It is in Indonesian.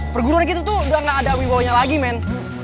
perguruan kita tuh udah gak ada wibawanya lagi men